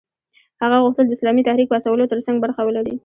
هغه غوښتل د اسلامي تحریک پاڅولو ترڅنګ برخه ولري.